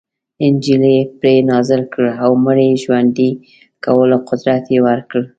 انجیل یې پرې نازل کړ او مړي ژوندي کولو قدرت یې ورکړ.